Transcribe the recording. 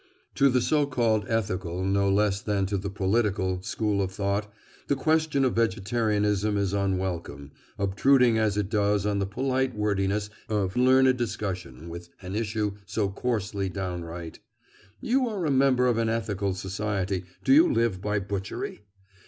To the so called ethical, no less than to the political, school of thought the question of vegetarianism is unwelcome, obtruding as it does on the polite wordiness of learned discussion with an issue so coarsely downright: "You are a member of an ethical society—do you live by butchery?"